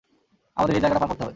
আমাদের এই জায়গাটা পার করতে হবে।